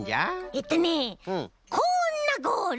えっとねこんなゴール！